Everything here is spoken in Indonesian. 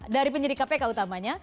dari penyidik kpk utama